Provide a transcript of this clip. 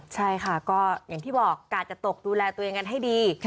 ใช่ค่ะก็อย่างที่บอกกาดจะตกดูแลตัวเองกันให้ดี